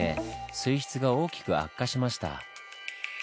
水質が大きく悪化しました。